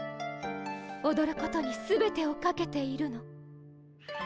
おどることに全てをかけているの。